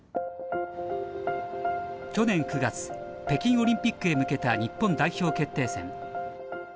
北京オリンピックへ向けた日本代表決定戦。